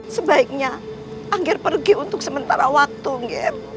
sebaiknya angger pergi untuk sementara waktu ger